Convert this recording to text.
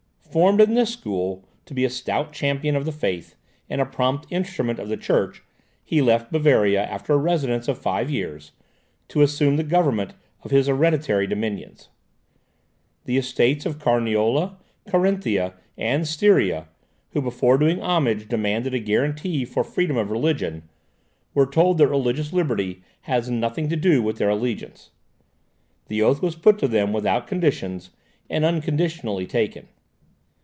Formed in this school to be a stout champion of the faith, and a prompt instrument of the church, he left Bavaria, after a residence of five years, to assume the government of his hereditary dominions. The Estates of Carniola, Carinthia, and Styria, who, before doing homage, demanded a guarantee for freedom of religion, were told that religious liberty has nothing to do with their allegiance. The oath was put to them without conditions, and unconditionally taken.